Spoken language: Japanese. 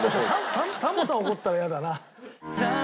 タモさん怒ったら嫌だな。